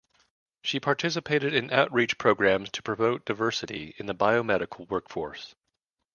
She participated in outreach programs to promote diversity in the biomedical workforce.